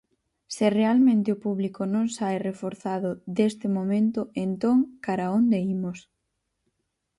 Se realmente o público non sae reforzado deste momento, entón, cara onde imos?